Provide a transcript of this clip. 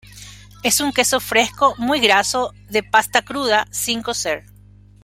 Es un queso fresco muy graso de pasta cruda, sin cocer.